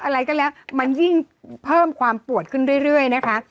อะไรก็แล้วมันยิ่งเพิ่มความปวดขึ้นเรื่อยนะคะ